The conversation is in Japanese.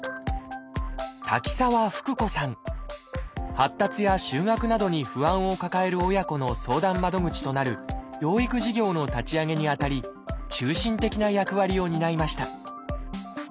発達や就学などに不安を抱える親子の相談窓口となる療育事業の立ち上げにあたり中心的な役割を担いました。